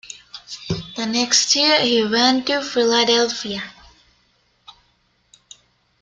The next year he went to Philadelphia.